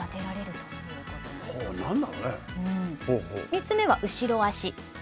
３つ目は後ろあし。